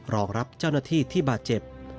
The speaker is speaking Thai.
รองรับเจ้าหน้าที่ที่บาดเจ็บ